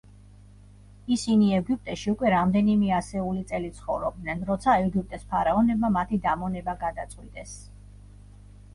ისინი ეგვიპტეში უკვე რამდენიმე ასეული წელი ცხოვრობდნენ, როცა ეგვიპტეს ფარაონებმა მათი დამონება გადაწყვიტეს.